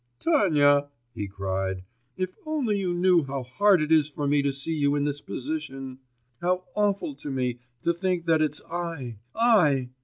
'Tanya,' he cried, 'if only you knew how hard it is for me to see you in this position, how awful to me to think that it's I ... I!